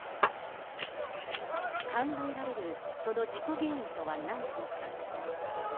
考えられるその事故原因とはなんなのか。